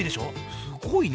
すごいね。